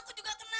pergi ke kabinet